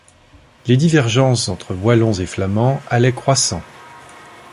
Les divergences entre Wallons et Flamands allaient croissant.